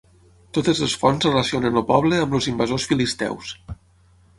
Totes les fonts relacionen el poble amb els invasors Filisteus.